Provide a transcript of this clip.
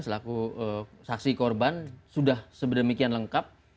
selaku saksi korban sudah sebeda beda lengkap